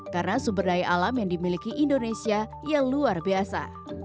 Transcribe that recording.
karena sumber daya alam yang dimiliki indonesia yang luar biasa